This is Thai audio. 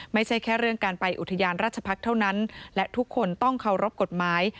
ไม่ใช่แค่เรื่องการไปอุทยานราชพักษ์เท่านั้นและทุกคนต้องเคารพกฎหมาย